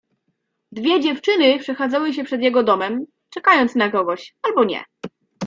Dwie dziewczyny przechadzały się przed jego domem, czekając na kogoś albo nie.